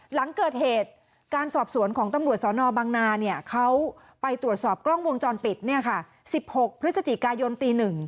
หลังเกิดเหตุการสอบสวนของตำรวจสนบังนาเขาไปตรวจสอบกล้องวงจรปิด๑๖พฤศจิกายนตี๑